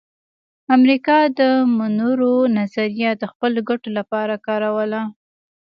امریکا د مونرو نظریه د خپلو ګټو لپاره کاروله